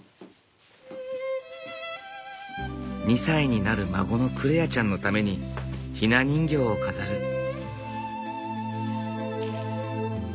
２歳になる孫のクレアちゃんのためにひな人形を飾る。